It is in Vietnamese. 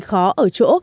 khó ở chỗ